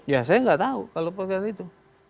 ya saya tidak tahu kalau berbeda itu